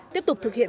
tiếp tục thực hiện